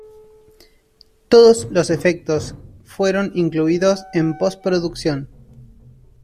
Todos los efectos fueron incluidos en posproducción.